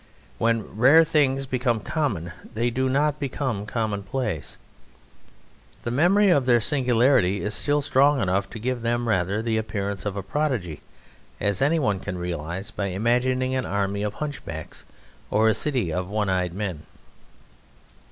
When rare things become common they do not become commonplace. The memory of their singularity is still strong enough to give them rather the appearance of a prodigy, as anyone can realise by imagining an army of hunchbacks or a city of one eyed men.